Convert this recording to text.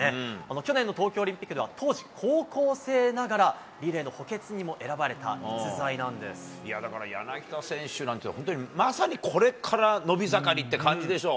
去年の東京オリンピックでは当時高校生ながらリレーの補欠にも選ばれた逸材な柳田選手なんて、まさにこれから伸び盛りって感じでしょ？